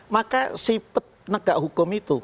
maka si penegak hukum itu